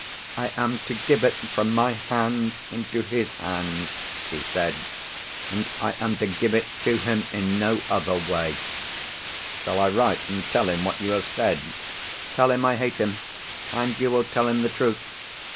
"I am to give it from my hands into his hands," she said. "And I am to give it to him in no other way." "Shall I write, and tell him what you have said?" "Tell him I hate him. And you will tell him the truth."